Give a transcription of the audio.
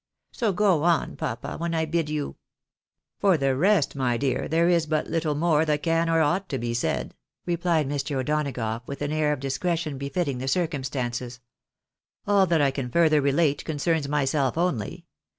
So go on, papa, when I bid you." " For the rest, my dear, there is but little more that can or ought to be said," replied Mr. O'Donagough, with an air of discre tion befitting the circumstances. " All that I can further relate concerns myself only.